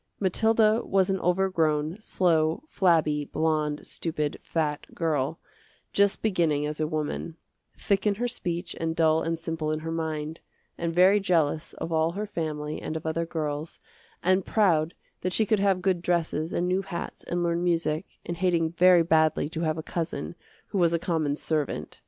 Mathilda was an overgrown, slow, flabby, blonde, stupid, fat girl, just beginning as a woman; thick in her speech and dull and simple in her mind, and very jealous of all her family and of other girls, and proud that she could have good dresses and new hats and learn music, and hating very badly to have a cousin who was a common servant.